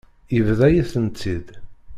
Yebḍa-yi-tent-id.